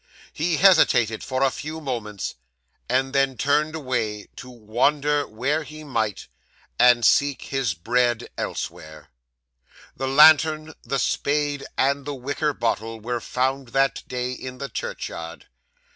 He hesitated for a few moments; and then turned away to wander where he might, and seek his bread elsewhere. 'The lantern, the spade, and the wicker bottle were found, that day, in the churchyard.